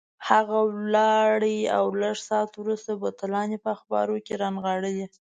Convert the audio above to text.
هغه ولاړ او لږ ساعت وروسته بوتلان یې په اخبارو کې رانغاړلي.